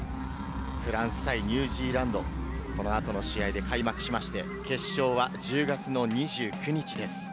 フランス対ニュージーランド、この後の試合で開幕しまして、決勝は１０月の２９日です。